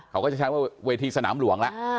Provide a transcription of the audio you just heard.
เขาก็จะแสดงว่าเวทีสนามหลวงล่ะ